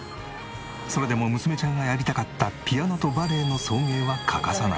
それでも娘ちゃんがやりたかったピアノとバレエの送迎は欠かさない。